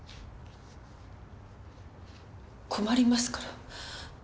困りますから。